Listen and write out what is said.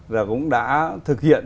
rồi cũng đã thực hiện